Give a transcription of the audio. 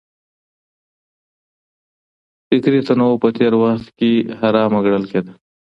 فکري تنوع په تېر وخت کي حرامه ګڼل کېده.